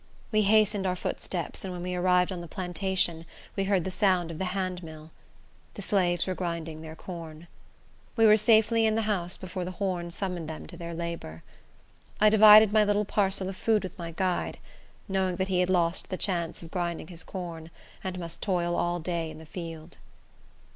We hastened our footsteps, and when we arrived on the plantation we heard the sound of the hand mill. The slaves were grinding their corn. We were safely in the house before the horn summoned them to their labor. I divided my little parcel of food with my guide, knowing that he had lost the chance of grinding his corn, and must toil all day in the field.